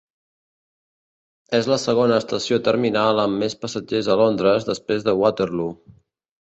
És la segona estació terminal amb més passatgers a Londres després de Waterloo.